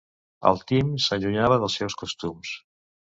El Tim s'allunyava dels seus costums.